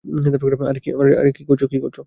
আরে কী করছো?